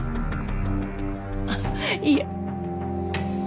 あっいえ。